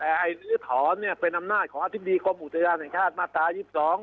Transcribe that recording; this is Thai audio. แต่ลื้อถอนเนี่ยเป็นอำนาจของอธิบดีกรมอุทยานแห่งชาติมาตราย๒๒